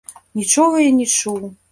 Нічога я не чуў.